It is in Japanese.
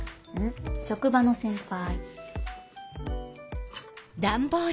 職場の先輩。